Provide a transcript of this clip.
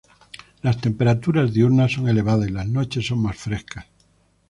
Las temperaturas diurnas son elevadas y las noches son más frescas.